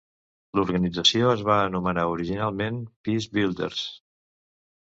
L'organització es va anomenar originalment "Peacebuilders".